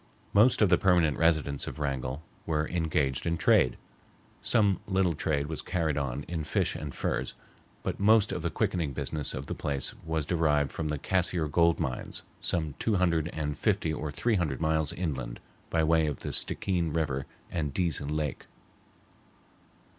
Most of the permanent residents of Wrangell were engaged in trade. Some little trade was carried on in fish and furs, but most of the quickening business of the place was derived from the Cassiar gold mines, some two hundred and fifty or three hundred miles inland, by way of the Stickeen River and Dease Lake.